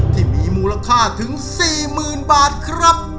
ที่มีมูลค่าถึง๔๐๐๐บาทครับ